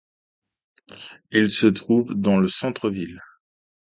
Il se trouve dans le centre-ville.